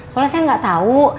soalnya saya gak tau